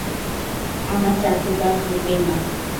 আমার চাকরি তো আর জুটবেই না।